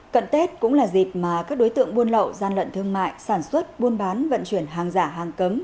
cận tết cũng là dịp mà các đối tượng buôn lậu gian lận thương mại sản xuất buôn bán vận chuyển hàng giả hàng cấm